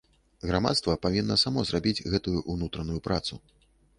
Грамадства павінна само зрабіць гэтую ўнутраную працу.